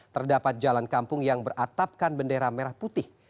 terdapat jalan kampung yang beratapkan bendera merah putih